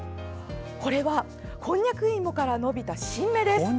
これはこんにゃくいもから伸びた新芽です。